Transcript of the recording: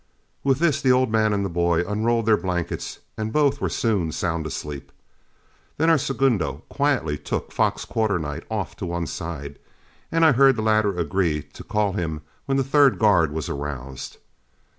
With this the old man and the boy unrolled their blankets, and both were soon sound asleep. Then our segundo quietly took Fox Quarternight off to one side, and I heard the latter agree to call him when the third guard was aroused.